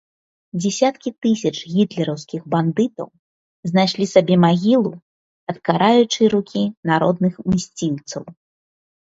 Дзесяткі тысяч гітлераўскіх бандытаў знайшлі сабе магілу ад караючай рукі народных мсціўцаў.